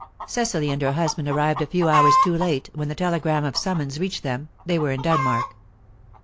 Cecily and her husband arrived a few hours too late; when the telegram of summons reached them, they were in Denmark.